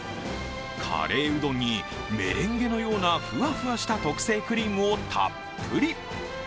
カレーうどんにメレンゲのようなふわふわした特製クリームをたっぷり。